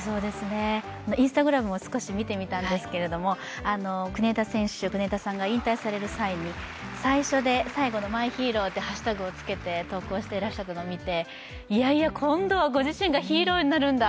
Ｉｎｓｔａｇｒａｍも少し見てみたんですけど、国枝さんが引退される前に最初で最後のマイヒーローというハッシュタグをつけて投稿してらしたのを見ていやいや、今度はご自身がヒーローになるんだ